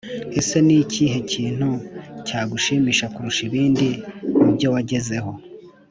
Ese ni ikihe kintu cyagushimisha kurusha ibindi mu byo wagezeho